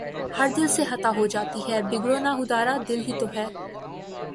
ہر دل سے خطا ہو جاتی ہے، بگڑو نہ خدارا، دل ہی تو ہے